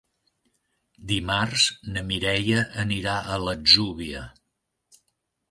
Dimarts na Mireia anirà a l'Atzúbia.